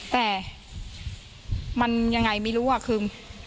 แต่มันยังไงไม่รู้อะคือ